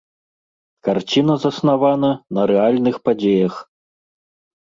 Карціна заснавана на рэальных падзеях.